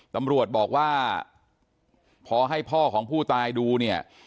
ตำรวจบอกว่าพอให้พ่อของผู้ตายดูเนี่ย